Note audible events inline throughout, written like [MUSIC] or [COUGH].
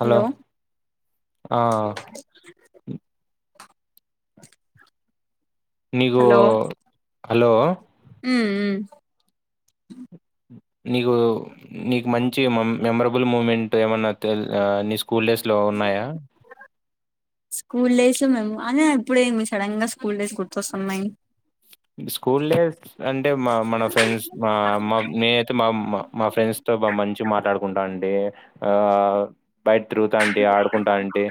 Hello ఆ నీకు hello hello ఉమ్ ఉమ్ నీకు నీకు మంచి మమ్ మెమొరబుల్ మూమెంట్ ఏమన్నా తెల ఆ తీసు స్కూల్ డేస్ లో ఉన్నాయా స్కూల్ డేస్ లో మేము అదే మీ ఇప్పుడు ఏమి సడన్ గా స్కూల్ డేస్ గుర్తుకొస్తున్నాయి స్కూల్ డేస్ అంటే మా మన ఫ్రెండ్స్ మా మా నేనైతే మా మా ఫ్రెండ్స్ తో మంచి మాట్లాడు కుంటా అండి ఆ బయట తిరుగుతాంటి ఆడుకుంటాంటి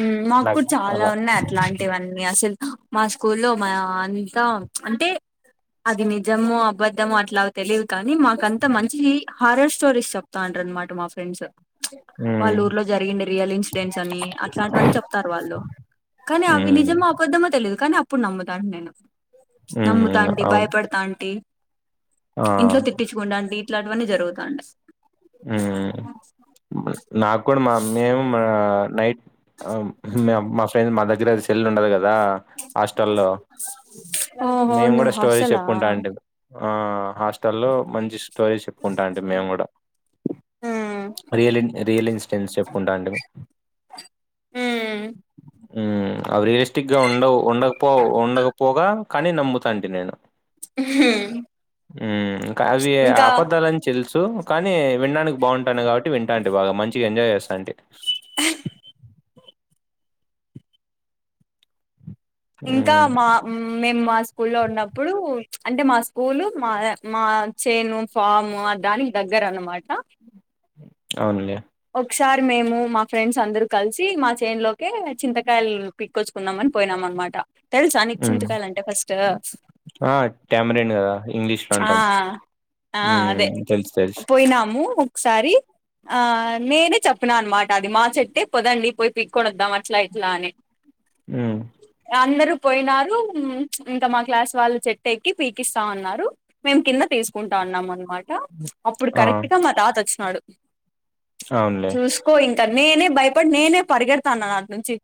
ఉ మాకు కూడా చాలా అలా ఉన్నాయి అట్లాంటివన్నీ అసలు మా స్కూల్లొ మా అంతా అంటే అది నిజమో అపద్ధమో అట్లా తెలీదు కానీ మాకంతా మంచీ హర్రర్ స్టోరీస్ చెప్తాండ్రి అన్నమాట మా ఫ్రెండ్స్ ఉమ్ వాళ్లు ఊర్లో జరిగిండే రియల్ ఇన్స్ టెన్స్ అనీ అట్లాంటివన్ని చెప్తారు వాళ్ళు కాని అవి ఉమ్ నిజమో అపద్దమో తెలీదు కానీ అప్ ఇప్పుడు నమ్ము తాంటి నేను ఉమ్ నమ్ముతాంటి అవును భయపడతాంటి ఆ ఇంట్లో తిట్టించుకుంటాంటి ఇట్లాంటివన్నీ జరుగుతాండే ఊ నాక్ కూడ మా మేము ఆ మా నైట్ ఆమ్ మేము మస్ టెన్ మా దగ్గర సెల్ ఉండదు కదా రా హాస్టల్లో ఓహో మేము కూడా నువ్వు స్టోరీస్ హాస్టలా చెప్పుకుంటాంటిమి ఆ హాస్టల్లో మంచి స్టోరీ చెప్కుంటాటిమి మేమ్ కూడ ఉమ్ రియలిన్ రియల్ ఇన్సిడెన్స్ చెప్ కుంటాన్టిమి. ఊ ఊ అవేరియస్టిక్ గా ఉండవు ఉండకపోవ్ ఉండకపోగా కానీ నమ్ముతాంటి నేను ఊ ఇంక అవీ ఇంకా ఆపద్ధాలన్ తెల్సు తో కానీ విండానికి బాంటాన్డే కాబట్టి కి వింటాంటి బాగ మంచిగ ఎంజాయ్ చేస్ సంటే ఇంకా హ్మ్. మా మేమ్ మా సు స్కూల్లో ఉన్నప్పుడు అంటే మా స్కూలు మా మా చేను ఫాము ఆ దానికి దగ్గర అన్నమాట అవున్లే ఒక్సారి మేము మా ఫ్రెండ్స్ అందరు కల్సీ మా చేన్ లోకకే చింతకాయల్ పిక్కొచ్చుకుందామన్ పోయినామన్మాట తెల్సా నీక్ హ్మ్. చింతకాయ్లంటే ఫస్టూ ఆ! టామరిన్ గదా! ఇంగ్లీష్‌లో ఆ అంటాం. ఆ హ్మ్. అదె తెలుసు. తెలుసు. పొయ్నాము. ఒకసారి ఆ నేనే చెప్పిన అనమాట అది మా చెట్టే పొదండి పోయి పిక్కోనొద్దాం అట్లా ఇట్లా అని ఊ అందరూ పోయినారు ఇంక మా క్లాస్ వాళ్ళు చెట్టు ఎక్కి పీకిస్తా ఉన్నారు. రూ మేము కింద తీసుకుంటాన్నాం అనమా అప్పుడు ఆ! కరెక్ట్ గా మా తాత అచ్చి. నాడు. అవునులే. చూసుకో ఇం నేనే భయపడి నేనే పరిగెడతాను అటు నుంచి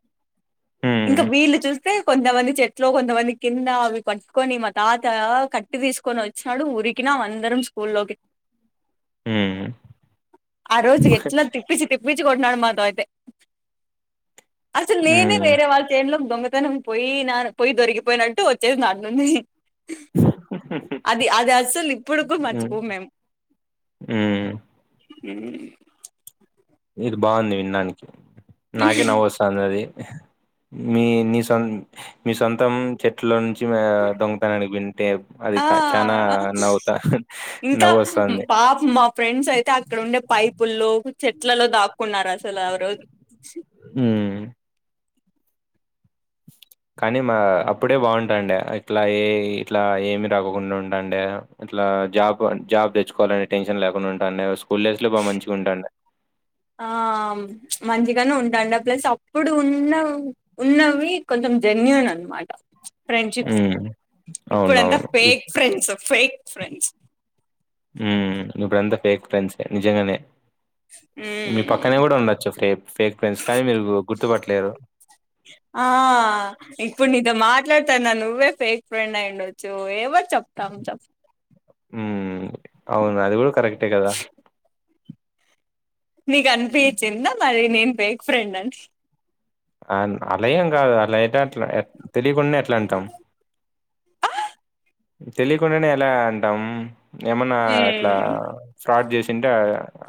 ఇంకా హ్మ్. వీళ్ళు చూసి తె కొంతమంది చెట్లు కొంతమంది కింద అవి కట్టుకొని మా తాత కట్ ట్టి తీసుకొని వచ్చినాడు ఉరికినం అందరం స్కూల్లోకి. హ్మ్. ఆ రోజు ఎట్లా తిప్పిచ్చి తిప్ప బీజ కొట్నాడు మా తాతే. అసలు నేనే హ్మ్. వేరే వాళ్ళ చేన్లో. దొంగతనం పోయినాను, పోయి దొరికిపోయినట్టు వచ్చేసినా అనుంచి. అది అది అసలు హ్మ్. ఇప్పుడుకు‌మర్చిపోం మేము హ్మ్. హు ఇది బాగుంది వినడానికి‌‌. నాకే నవ్వు వస్తుంది అది. మీ మీ సొం మీ సొంతం చెట్లో. ఆ క చానా నవ్వుతా ఇంకా నవ్వొస్తాంది. పాపం మా ఫ్రెండ్స్ అయితే. ఇట్లలో దాక్కున్నారు అసలు ఆరోజు. హు కానీ మా అప్పుడే బాగుంటాండె ఇట్లా ఏ ఇట్లా ఏమి రాకొకుండా ఉంటాంటే ఇట్లా జాబ్ జాబ్ తెచ్చుకోవాలని టెన్షన్ లేకుండా ఉంటా. ఆ మంచిగానే ఉంటాండ ప్లస్ అప్పుడు ఉన్న ఉన్నవి కొంచెం జన్యూన్ అనమాట‌. ఫ్రెండ్షిప్స్ హ్మ్. ఇప్పుడంతా అవునవును. ఇప్ ఫేక్ ఫ్రెండ్స్ ఫేక్ ఫ్రెండ్స్. ఉ ఇప్పుడుంతా ఫేక్ ఫ్రెండ్స్ నిజంగానే. మీ పక్కనే గూడా ఉండొచ్చు ఫే ఫేక్ ఫ్రెండ్స్. కానీ మీరు గుర్తుపట్టలేరు. ఆ ఇప్పుడు నీతో మాట్లాడతాన్నా నువ్వే ఫేక్ ఫ్రెండ్ అయిండొచ్చు ఎవరు చెప్తాం చెప్. హు‌‌ అవును అది కూడా కరెక్ట్. అంతె కదా. నీకు అనిపించిందా మరి నేను ఫేక్ ఫ్రెండ్ అని. ఆ అల అని కాదు ఎట్ల అయితే అట్లా. తెలియకుండా ఎట్లా అంటాం. తెలియకుండానే ఎలా అంటాం ఏమన్నా ఇట్లా మ్మ్ ఫ్రాడ్ చేసి తింటే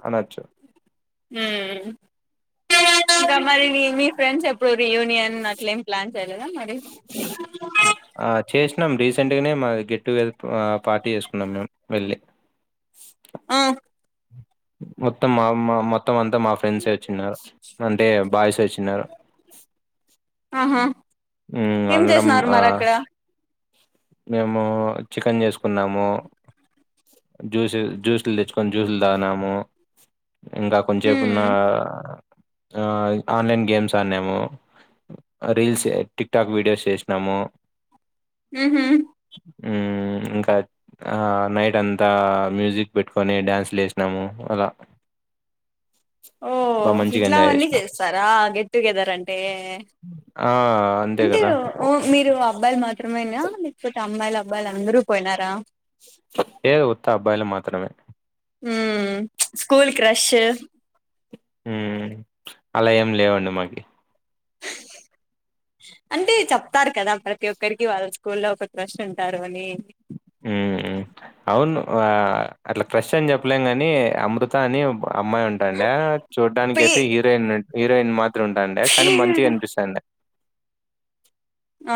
అనచ్చు. ఊ ఇంకా మరి మీ మీ ఫ్రెండ్స్ ఎప్పుడు రియూనియన్ అట్ల ఎం ప్లాన్ చేయలేదా మరి నం రీసెంట్ గనే మాది గెట్టుగెల్ పార్టీ చేసుకున్నాం మేం వెళ్ళి ఆ మొత్తం మా మా మత్ మొత్తం అంతా మా ఫ్రెండ్స్సే వచ్చిన్నారు. అంటే బాయ్స్ వచ్చిన్నారు. ఆహా ఊ ఏం అందరం చేసినారు ఆ మరి అక్కడ మేము చికెన్ చేసుకున్నాము జ్యూస్ జ్యూసులు తెచ్చుకొని జ్యూసులు తాగ్నాము. ఇంకా హ్మ్ కొంచేపున్న ఆ ఆన్లైన్ గేమ్స్ ఆడినాము రీల్స్ టిక్ టాక్ వీడియోస్ చేసినాము ఉహు మ్మ్ ఇంకా నైట్ అంతా మ్యూజిక్ పెట్టుకొని డ్యాన్స్లు వేసినాము అలా ఓ బా మంచిగా ఎంజాయ్ ఇట్లావన్నీ చేసినాం చేస్తారా గెట్ టుగెదర్ అంటే ఆ అంతే అంటే కదా మీరు అబ్బా మా త్రమ లేకపోతే అమ్మాయిలు అబ్ లు అందరూ పోయినారా ఏదు ఉత్త అబ్బాయిల మాత్రమే ఉ స్కూల్ క్రష్ ఉమ్ అలా ఏం లేవండి మాకి అంటే చెప్తారు కదా ప్రతి ఒక్కరికి వాళ్ళ స్కూల్లో ఒక క్రష్ ఉంటారు అని ఉ అవును అట్లా క్రష్ అని చెప్పలేం ని అమృత అని అమ్మాయి ఉంటాండ చూడడానినికి పి అయితే హీరోయిన్ ఎన్ మాత్ ఉంటండి కానీ మంచిగా కనిపిస్తండి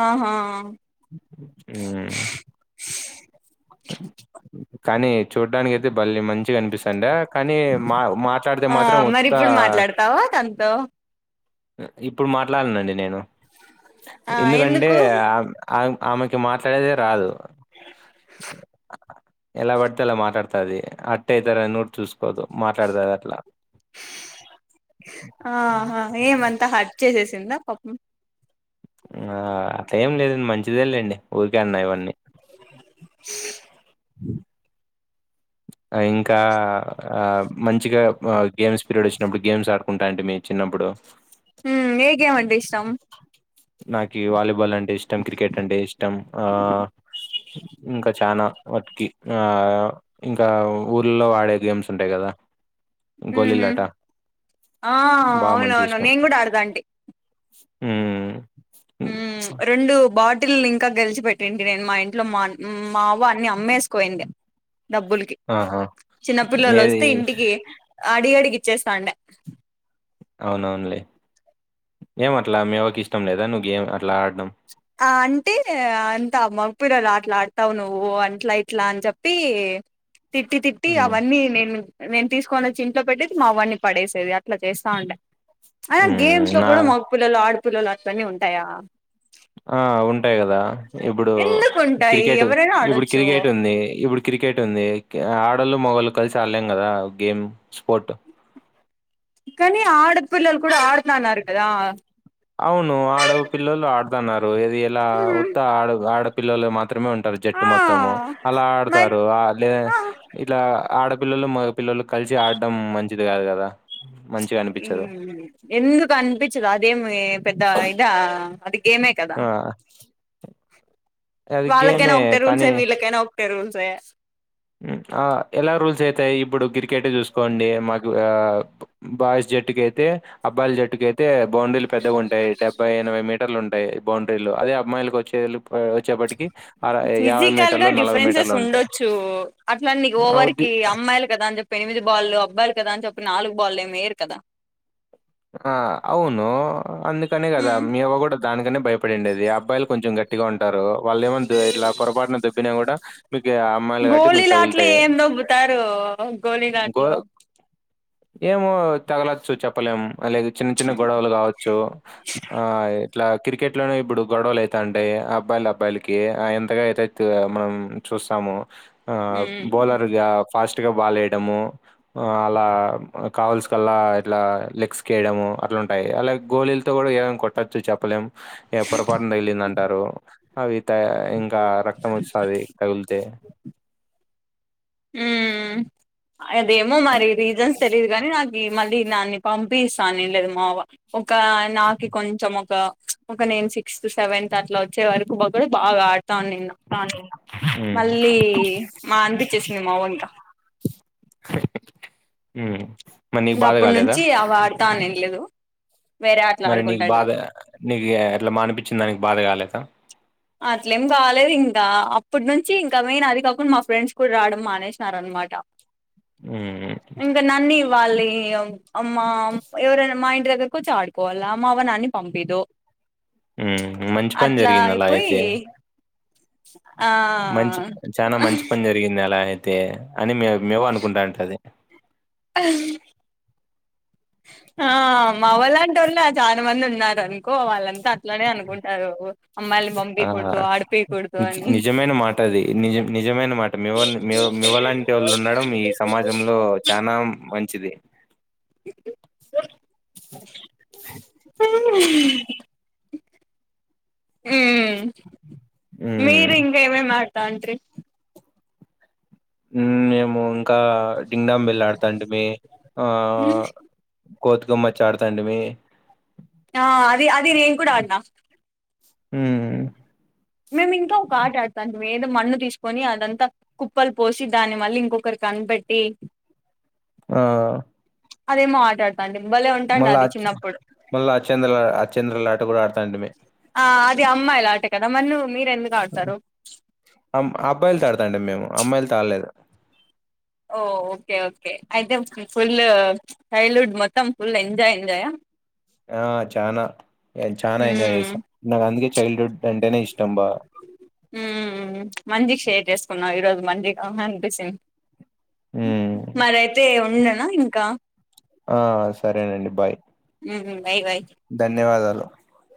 ఆహా ఉమ్ కానీ చూడ్డానినికి అయితే బళ్ళీ మంచిగా అనిపిస్తుండ కానీ మా మాట్లాడితే ఆ మాత్రం మరి మొత్త ఇప్పుడు మాట్లాడతావా తనతో ఇప్పుడు మాట్లాడనండి నేను ఆ ఎందుకంటే ఎందుకు ఆ ఆ ఆమెకి మాట్లాడేదే రాదు ఎలా పడితే అలా మాట్లాడుతుది అట్ట అవుతార అని నోట్ చూసుకోద్దు మాట్లాడుతుది అట్లా ఆహా ఏమంతా హట్ చేసేసిందా పాపం ఆ అట్లా ఏం లేదు మంచిదేలండి ఊరికే అన్నా ఇవన్నీ ఇంకా ఆ మంచిగా గేమ్స్ పీరియడ్ వచ్చినప్పుడు గేమ్స్ ఆడుకుంటా అంటే మీ చిన్నప్పుడు ఏ గేమ్ అంటే ఇష్టం నాకి వాలిబాల్ అంటే అంటే ఇష్టం క్రికెట్ అంటే ఇష్టం ఆ ఇంకా చాలా వట్కి ఆ ఇంకా ఊళ్లో ఆడే గేమ్స్ ఉంటాయి కదా ఉహు గోళీలాట ఆ బాగా మంచిగా అవునవును ఇష్టం నేను కూడా ఆడేదాంటి. ఉమ్ ఉమ్, ప్చ్ రెండు బాట్ టిల్ని ఇంకా గెలిచిపెట్టింది నేను మా ఇంట్లో మా మా అవ్వ అన్ని అమ్మేసుకోయింది. డబ్బుల్కి ఆహా చిన్నపిల్లలు ఏది వస్తే ఇంటికి అడి అడికిచ్చేస్తాండే. అవునవునులే, ఏమ అట్లా మి అవకి ఇష్టం లేదా నువ్వు గేమ్ అట్లా ఆడడం? ఆ అంటే అంత మగ పిల్లలు అట్లా ఆడతావు నువ్వు, అట్లా ఇట్లా అని చెప్పి తిట్టి తిట్టి హ్మ్. అవన్నీ నేను నేను తీసుకొని వచ్చి ఇంట్లో పెట్టి మా అవ్వని పడేసేది అట్లా చేస్తా ఉండె ఆ హ్మ్. గేమ్స్ లో నా కూడా మగ పిల్లలు ఆడ్ మగ పిల్లలు ఆట్లనే ఉంటాయా? ఆ ఉంటాయి కదా ఇప్పుడు, ఎందుకుంటాయి క్రికెట్ ఎవరైనా ఇప్పుడు ఆడొచ్చు. క్రికెట్ ఉంది, ఇప్పుడు క్రికెట్ ఉంది. ఆ ఆడోలు మొగోలు కలిసి ఆడలేం కదా గేమ్, స్పోర్ట్ కానీ ఆడపిల్లలు కూడా ఆడతాన్నారు కదా. అవును ఆడవ పిల్లలు ఆడతన్నారు. రు ఇది ఎలా హ్మ్. ఉత్త ఆడుడు పల్లలు మాత్రమే ఉం టరు ఆ! జట్టు మొత్తము, మరి ఆడుతారు ఆలె ఆ! ఇట్లా అడ పిల్లలు మగ పిల్లలు కలిసి ఆడడం మంచిది కాదు కదా. ఎందుకు అనిపించదు, అదేం ఏం పెద్ద ఇదా? అది గేమే కదా! ఆ అది వాళ్ళకైనా గేమే ఒకటె రూల్ సే కానీ వీళ్ళకైనా ఒకటే రూల్స్. స ఆ ఎలా రూల్స్ అయితాయి ఇప్పుడు క్రికెట్ చూసుకోండి, మాదు ఆ బాయ్స్ జట్టుకయితే అబ్బాయిల జట్టుకి అయితే, బౌండరీలు పెద్దగా ఉంటాయి డెబ్బై ఎనభై మీటర్లు ఉంటాయి బౌండరీలు, అదే అబ్బాయిలకి వచ్చే వ వచ్చేప్పటికి ఆర యాభై ఫిజికల్ మీటర్లు నలభై మీటర్లు ఉంటయి. అట్లన్ని ఓవర్ కి అమ్మాయిలు కదాని చెప్పి ఎనిమిది బాల్లు బబ్బాయిరు కదా అని చెప్పి నాలుగు బాల్ ఏమేరు కదా? ఆ అవును అందుకనే కదా మీవ్వ కూడా దానికనే భయపడిండేది, అబ్బాయిలు కొంచెం గట్టి గండి టారు వాళ్ళ ఏమో ఇట్లా పొరపాటున దొబ్బినా కూడా, మీకు ఆ అమ్మాయిలు గట్టి మీకు గోళీలాట్లు తగులుతాయి. ఏం దొబ్బుతారు ఇంకో గోళీలాట్లు ఏమో తగలచ్చు చెప్పలేం. అలాగ చిన్న చిన్న గొడవలు కావచ్చు ఆ ఇట్లా క్రికెట్ లోనే ఇప్పుడు గొడవలు అయిత ఉంటాయి అబ్బాయిల అబ్బాయిలకి ఎంతగా అయితే మనం చూస్తాము ఆ ఉమ్ బోలర్గా ఫాస్ట్గా బాల్ేయడము అలా కావాల్స్ కల్లా ఇలా లెగ్స్ కేయడము అట్లాంటాయి అలాగే గోళలతో కూడా ఏమైనా కొట్టొచ్చు చెప్పలేము ఎప్పురి పారన తగిలింది అంటారు అవి ఇంకా రక్తం వస్తుంది తగులు తె ఉమ్ అదేమో మరి రీజన్స్ తెలియదు గానీ నాకి మలీ నా పంపిీసాని లేదు మావా ఒక నాకి కొంచం ఒక ఒక నేను సిక్స్త్ సెవెన్త్ అట్లా వచ్చే వరకు ఒకడు బా ఆడ్ తానిన్న హ్మ్. మళ్ళీ మానిపించేసింది మావ ఇంకా హమ్ ఇంక అప్పటి నుంచి ఆ వాడతా అనిం లేదు మరి నీకు బాధ నీకు ఎట్లా మానిపించింద దానికి బాధ కాలేదా ప్పటి నుంచి ఇంకా మేయిన్ అది కాకుండా మా ఫ్రెండ్స్ కూడా రాడం మానేసినార అనమాట హమ్ వాలీ అమ్మా ఎవరన్న మా ఇం దగ్గర వచ్చి ఆడుకోవాల మా అవ నాన్నీ పంపిదు ఉ మంచి పని జరిగింది అలా అయి హే మంచి చాలా మంచి పని జరిగింది అలా అయి తే అని మి మేము అనుకుంటాంట అదే అ ఆ మవలాంటొలే చాలా మంది ఉన్నారని అమ్మాయిల్ని ఆ పంపికూడదు ఆడిపికూడదు అని నిజమైన మాట అది నిజ నిజమైన మాట మి మవ మీమ్వలాంటి వాళ్ళు ఉండడం ఈ సమాజంలో చనా మంచిది. [INAUDIBLE] ఉమ్ హ్మ్. మీరింగ్ ఇవ తండ్రి ఉ ఏమో ఇంకా డింగ్ డాంగ్ బెల్ ఆడుతాంట మీ ఆ కోతికోమ్మచ్చ ఆడతాండి మీ ఆ అది అది నేను కూడా అడినా. ఉమ్ మేము ఇంకా ఒక ఆట ఆడుతాటిమి. అంటే ఏదో మన్ను తీసుకొని అదంతా కుప్పలు పోసి దాని మళ్ళీ ఇంకొకరు కనిపెట్టి ఆ అదేమో ఆట ఆడతాంటిమి భలే ఉంటాండే మళ్ళా అది చిన్నప్పుడు మళ్ళా అచ్చంద అచ్చంద్ర లాట కూడా ఆడతాండిమీ ఆ అది అమ్మాయిలాట కదా మరి నువు అబ్బాయిలుతో ఆడతాండి మేము అమ్మాయిలుతో ఆడలేదు. ఓ ఓకే ఓకే అయితే ఫుల్ చైల్డ్ హుడ్ మొత్తం ఫుల్ ఎంజాయ్ ఎంజాయ. ఆ చానా చానా ఎంజాయ్ మ్మ్ చేసాను నాకు అందుకే చైల్డ్ హుడ్ అంటేనే ఇష్టం. రబ [UNINTELLIGIBLE] ఉమ్ మంచిగా షేర్ చేసుకున్నాం ఈ రోజు మంచిగా ఆహ అన్పిచ్ ఉమ్. మరి అయితే ఉ నిన్నన ఇంకా ఆ సరేనండి బాయ్. ఉహూ ధన్యవాదాలు. కుహు [INAUDIBLE]